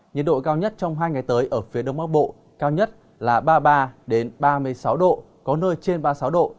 nhiệt độ cao nhất trong hai ngày tới ở phía đông bắc bộ cao nhất là ba mươi ba ba mươi sáu độ có nơi trên ba mươi sáu độ